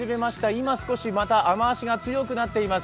今少しまた雨足が強くなっています。